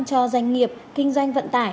cho doanh nghiệp kinh doanh vận tải